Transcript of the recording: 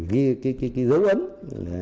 ghi cái dấu ấn